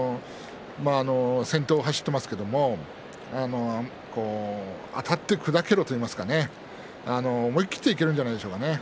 先頭を走っていますけれどあたって砕けろと言いますかね思い切っていけるんじゃないですかね。